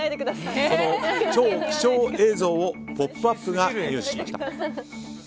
その超貴重映像を「ポップＵＰ！」が入手しました。